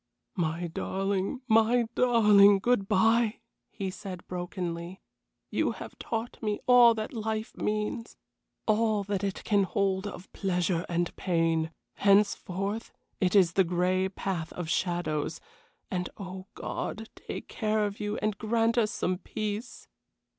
"My darling, my darling! Good bye," he said, brokenly. "You have taught me all that life means; all that it can hold of pleasure and pain. Henceforth, it is the gray path of shadows; and oh, God take care of you and grant us some peace."